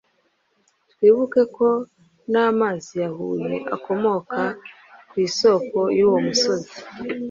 twibuke ko n’amazi ya Huye akomoka ku isoko y’uwo musozi.